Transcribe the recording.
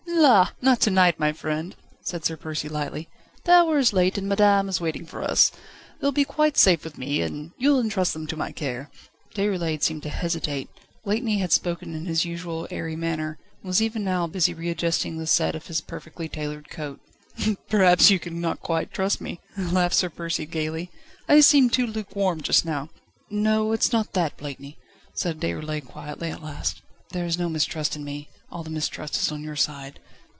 "La! not to night, my friend," said Sir Percy lightly; "the hour is late, and madame is waiting for us. They'll be quite safe with me, and you'll entrust them to my care." Déroulède seemed to hesitate. Blakeney had spoken in his usual airy manner, and was even now busy readjusting the set of his perfectly tailored coat. "Perhaps you cannot quite trust me?" laughed Sir Percy gaily. "I seemed too lukewarm just now." "No; it's not that, Blakeney!" said Déroulède quietly at last. "There is no mistrust in me, all the mistrust is on your side."